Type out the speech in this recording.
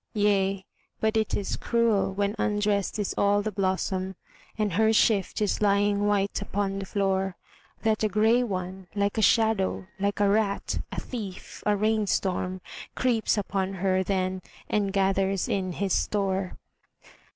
Yea, but it is cruel when undressed is all the blossom, And her shift is lying white upon the floor, That a grey one, like a shadow, like a rat, a thief, a rain storm Creeps upon her then and gathers in his store.